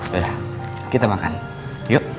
yaudah kita makan yuk